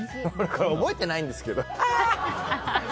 これ覚えてないんですけど。